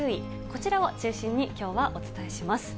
こちらを中心にきょうはお伝えします。